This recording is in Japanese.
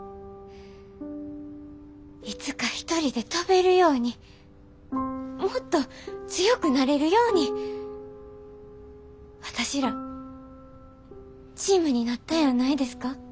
いつか一人で飛べるようにもっと強くなれるように私らチームになったんやないですか？